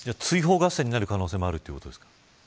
追放合戦になる可能性もあるということですか。